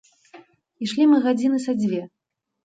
Ішлі мы гадзіны са дзве.